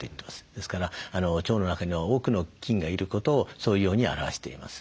ですから腸の中には多くの菌がいることをそういうように表しています。